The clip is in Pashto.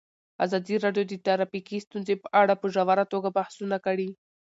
ازادي راډیو د ټرافیکي ستونزې په اړه په ژوره توګه بحثونه کړي.